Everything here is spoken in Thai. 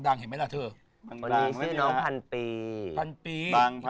คนนี้ชื่อน้องพันปี